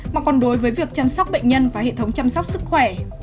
mà còn đối với việc chăm sóc bệnh nhân và hệ thống chăm sóc sức khỏe